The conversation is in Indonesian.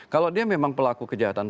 kalau dia memang pelaku kejahatan